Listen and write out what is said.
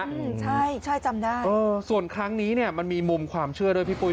อืมใช่ใช่จำได้เออส่วนครั้งนี้เนี้ยมันมีมุมความเชื่อด้วยพี่ปุ๊